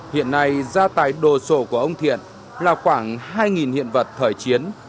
hiện nay gia tài đồ sổ của ông thiện là khoảng hai hiện vật thời chiến